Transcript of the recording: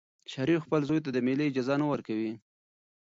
شریف خپل زوی ته د مېلې اجازه نه ورکوي.